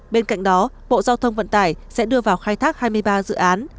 bên cạnh đó bộ giao thông vận tải sẽ đưa vào khai thác hai mươi ba dự án